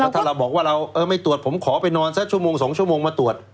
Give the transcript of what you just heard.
ถ้าเราบอกว่าเราไม่ตรวจผมขอไปนอนสักชั่วโมง๒ชั่วโมงมาตรวจ